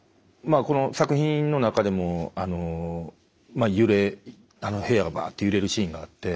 この作品の中でも揺れ部屋がバッて揺れるシーンがあって。